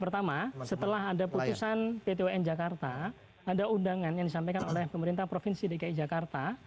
pertama setelah ada putusan pt un jakarta ada undangan yang disampaikan oleh pemerintah provinsi dki jakarta